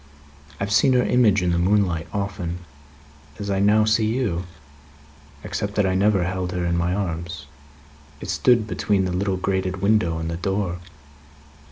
I have seen her image in the moonlight often, as I now see you; except that I never held her in my arms; it stood between the little grated window and the door.